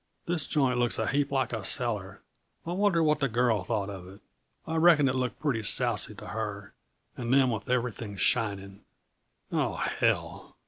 "This joint looks a heap like a cellar. I wonder what the girl thought of it; I reckon it looked pretty sousy, to her and them with everything shining. Oh, hell!"